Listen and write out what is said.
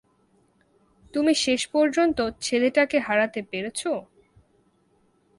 তুমি শেষ পর্যন্ত ছেলেটাকে হারাতে পেরেছ।